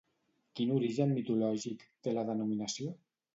Quin origen mitològic té la denominació?